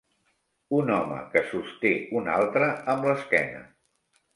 Un home que sosté un altre amb l'esquena.